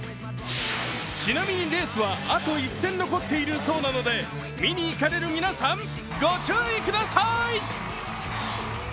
ちなみにレースはあと１戦残っているそうなので、見に行かれる皆さんご注意ください！